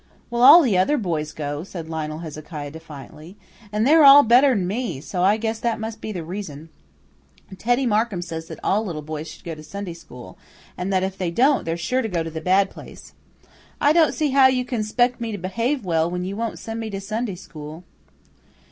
"Well, all the other boys go," said Lionel Hezekiah defiantly; "and they're all better'n me; so I guess that must be the reason. Teddy Markham says that all little boys should go to Sunday school, and that if they don't they're sure to go to the bad place. I don't see how you can 'spect me to behave well when you won't send me to Sunday school.